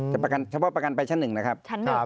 แต่เฉพาะประกันไปชั้นหนึ่งนะครับ